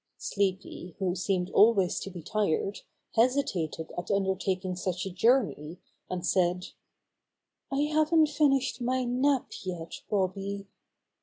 Sleepy, who seemed always to be tired, hes itated at undertaking such a journey, and said : "I haven't finished my nap yet, Bobby.